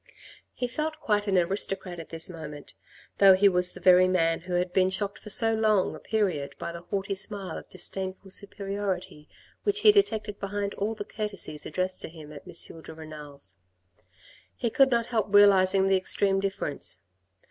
He felt quite an aristocrat at this moment, though he was the very man who had been shocked for so long a period by the haughty smile of disdainful superiority which he detected behind all the courtesies addressed to him at M. de Renal's. He could not help realising the extreme difference.